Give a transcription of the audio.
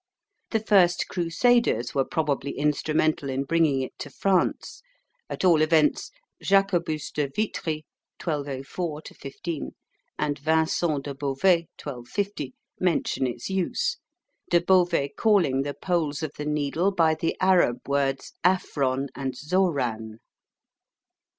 The first Crusaders were probably instrumental in bringing it to France, at all events Jacobus de Vitry (1204 15) and Vincent de Beauvais (1250) mention its use, De Beauvais calling the poles of the needle by the Arab words aphron and zohran.